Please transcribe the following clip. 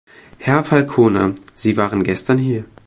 Herr Falconer, Sie waren gestern hier.